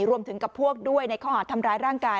รวมถึงกับพวกด้วยในข้อหาดทำร้ายร่างกาย